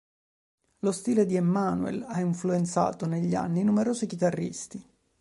Lo stile di Emmanuel ha influenzato negli anni numerosi chitarristi.